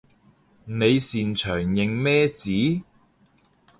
你擅長認咩字？